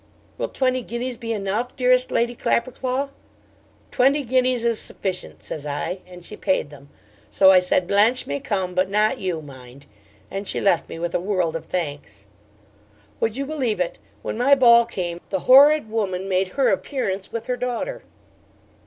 '"Will twenty guineas be enough, dearest Lady Clapperclaw?" '"Twenty guineas is sufficient," says I, and she paid them; so I said, "Blanche may come, but not you, mind:" and she left me with a world of thanks. 'Would you believe it? when my ball came, the horrid woman made her appearance with her daughter!